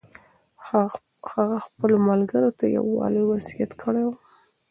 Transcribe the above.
هغه خپلو ملګرو ته د یووالي وصیت کړی و.